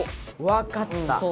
わかった！